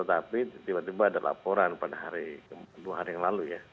tapi tiba tiba ada laporan pada hari dua hari yang lalu ya